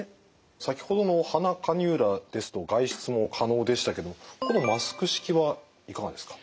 先ほどの鼻カニューラですと外出も可能でしたけどもこのマスク式はいかがですか？